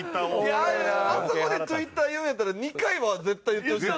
いやあそこでトゥイッター言うんやったら２回は絶対言ってほしかった。